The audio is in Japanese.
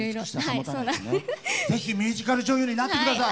ぜひミュージカル女優になってください。